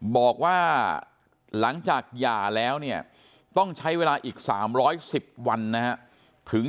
บอกว่าหลังจากหย่าแล้วเนี่ยต้องใช้เวลาอีก๓๑๐วันนะครับ